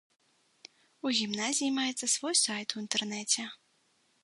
У гімназіі маецца свой сайт у інтэрнэце.